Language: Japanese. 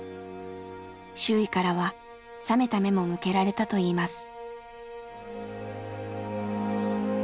周囲からは冷めた目も向けられたといいます。